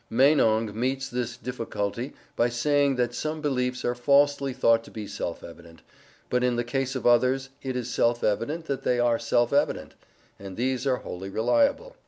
Meinong meets this difficulty by saying that some beliefs are falsely thought to be self evident, but in the case of others it is self evident that they are self evident, and these are wholly reliable.